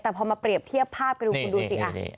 แต่พอมาเปรียบเทียบภาพกันดูคุณดูสิ